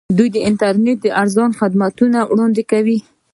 دوی د انټرنیټ ارزانه خدمتونه وړاندې کوي.